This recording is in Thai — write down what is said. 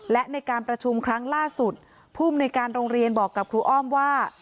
และในการประชุมครั้งล่าสุดภูมิในการโรงเรียนบอกกับครูอ้อมว่า